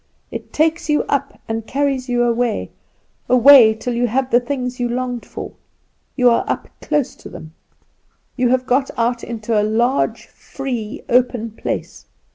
It takes you up and carries you away, away, till you have the things you longed for, you are up close to them. You have got out into a large, free, open place.